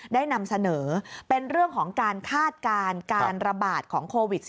ได้นำเสนอเป็นเรื่องของการคาดการณ์การระบาดของโควิด๑๙